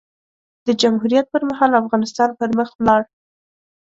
د جمهوریت پر مهال؛ افغانستان پر مخ ولاړ.